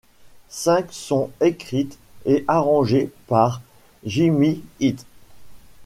Cinq sont écrites et arrangées par Jimmy Heath.